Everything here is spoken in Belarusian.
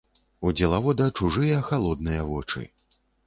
У дзелавода чужыя халодныя вочы.